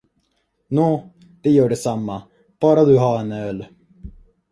Nå, det gör detsamma, bara du har öl.